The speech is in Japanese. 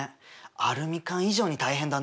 アルミ缶以上に大変だね。